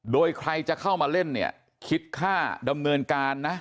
โดยใครจะเข้ามาเล่นเนี่ยคิดค่าดำเนินการนะ